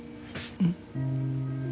うん。